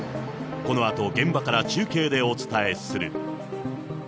このあと現場から中継でお伝えする。